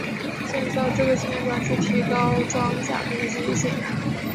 建造这个纪念馆是提高装甲兵的积极性。